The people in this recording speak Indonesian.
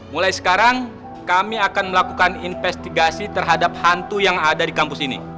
mulai sekarang kami akan melakukan investigasi terhadap hantu yang ada di kampus ini